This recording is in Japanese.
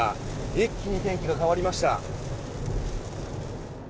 一気に天気が変わりました。